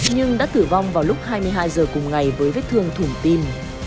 nhưng đã tử vong vào lúc hai mươi hai giờ cùng ngày với vết thương thủng tim